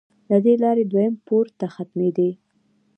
له دې لارې دویم پوړ ته ختمېدې.